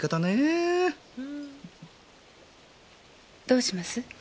どうします？